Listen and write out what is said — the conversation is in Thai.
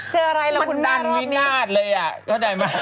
เจออะไรเหรอคุณแม่รอบนี้มันดันวินาทเลยอ่ะเห็นไหม